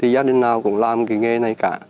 gia đình nào cũng làm nghề này cả